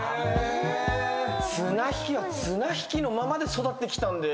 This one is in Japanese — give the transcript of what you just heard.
綱引きは綱引きのままで育ってきたんで。